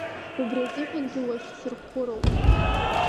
Убри азыҳәангьы уахьсырхәыроуп!